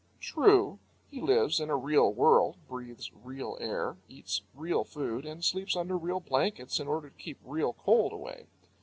True, he lives in a real world, breathes real air, eats real food, and sleeps under real blankets, in order to keep real cold away.